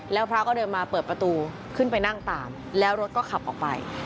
แล้วพระก็เดินมาเปิดประตูขึ้นไปนั่งตามแล้วรถก็ขับออกไป